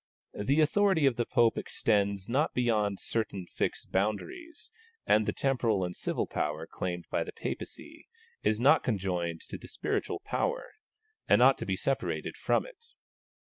The authority of the Pope extends not beyond certain fixed boundaries, and the temporal and civil power claimed by the Papacy is not conjoined to the spiritual power, and ought to be separated from it.